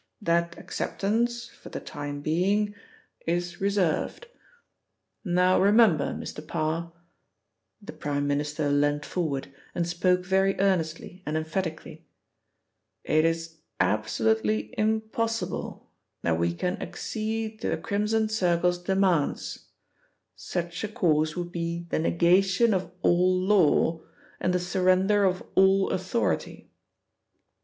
That acceptance, for the time being, is reserved. Now remember, Mr. Parr," the Prime Minister leant forward and spoke very earnestly and emphatically: "It is absolutely impossible that we can accede to the Crimson Circle's demands: such a course would be the negation of all law, and the surrender of all authority.